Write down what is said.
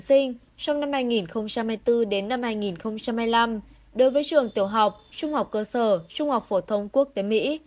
học sinh trong năm hai nghìn hai mươi bốn đến năm hai nghìn hai mươi năm đối với trường tiểu học trung học cơ sở trung học phổ thông quốc tế mỹ